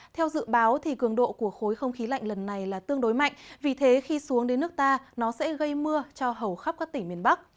theo dự báo cường độ của khối không khí lạnh lần này là tương đối mạnh vì thế khi xuống đến nước ta nó sẽ gây mưa cho hầu khắp các tỉnh miền bắc